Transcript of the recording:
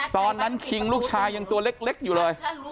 ตอนนั้นคิดลูกชายยังตัวเล็กอยู่ละ